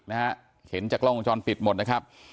เห็นแบบกล้องของจรปิดหมดนะครับ